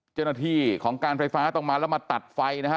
เจ้าหน้าที่ของการไฟฟ้าต้องมาแล้วมาตัดไฟนะฮะ